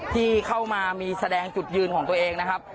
ที่เข้ามามีแสดงจุดยืนของตัวเองนะครับ